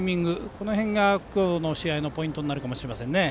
この辺が、今日の試合のポイントになるかもしれません。